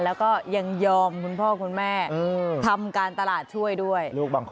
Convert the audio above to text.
แล้วก็ยังยอมคุณพ่อคุณแม่ทำการตลาดช่วยด้วย